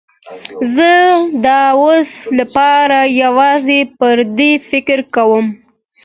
زه د اوس لپاره یوازې پر دې فکر کوم.